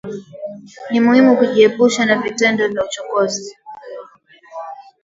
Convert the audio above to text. Ni muhimu kujiepusha na vitendo vya uchokozi